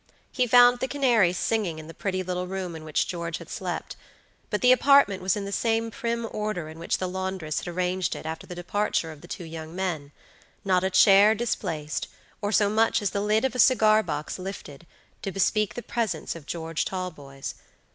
He found the canaries singing in the pretty little room in which George had slept, but the apartment was in the same prim order in which the laundress had arranged it after the departure of the two young mennot a chair displaced, or so much as the lid of a cigar box lifted, to bespeak the presence of George Talboys.